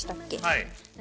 はい。